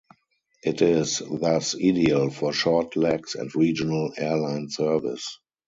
It is thus ideal for short legs and regional airline service.